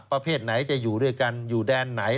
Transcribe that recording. ประเภทไหนจะอยู่ด้วยกันอยู่แดนไหน